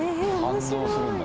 反応するんだ。